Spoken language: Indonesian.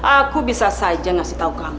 aku bisa saja ngasih tahu kamu